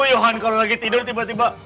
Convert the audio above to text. oh yohan kalau lagi tidur tiba tiba